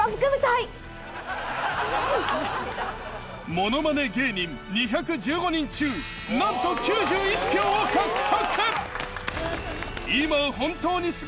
ものまね芸人２１５人中なんと９１票を獲得。